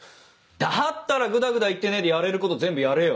だったらぐだぐだ言ってねえでやれること全部やれよ。